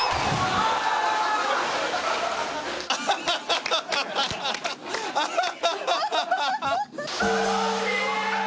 アハハハ！